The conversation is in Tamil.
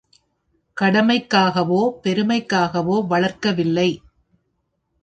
கடமைக்காகவோ, பெருமைக்காகவோ வளர்க்கவில்லை.